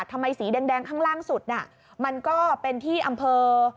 สีแดงข้างล่างสุดน่ะมันก็เป็นที่อำเภอ